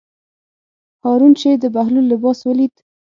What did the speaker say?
هارون چې د بهلول لباس ولید.